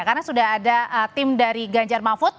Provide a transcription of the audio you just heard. karena sudah ada tim dari ganjar mafud